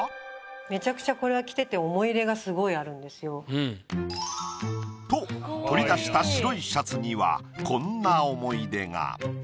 めちゃくちゃこれは着てて思い入れがすごいあるんですよ。と取り出した白いシャツにはこんな思い出が。